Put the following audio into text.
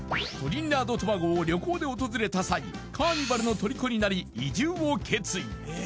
トリニダード・トバゴを旅行で訪れた際カーニバルの虜になり移住を決意